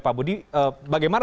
pak budi bagaimana